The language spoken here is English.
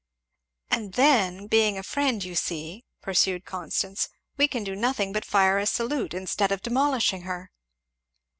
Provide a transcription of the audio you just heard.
"And then being a friend, you see," pursued Constance, "we can do nothing but fire a salute, instead of demolishing her."